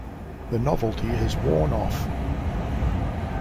The novelty has worn off.